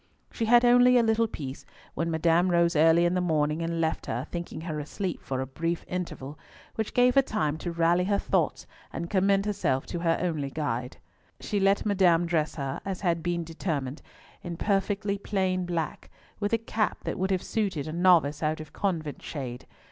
She had only a little peace when Madame rose early in the morning and left her, thinking her asleep, for a brief interval, which gave her time to rally her thoughts and commend herself to her only Guide. She let Madame dress her, as had been determined, in perfectly plain black, with a cap that would have suited "a novice out of convent shade."